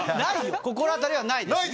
心当たりはない？